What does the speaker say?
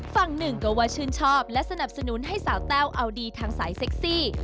ฝั่งหนึ่งก็ว่าชื่นชอบและสนับสนุนให้สาวแต้วเอาดีทางสายเซ็กซี่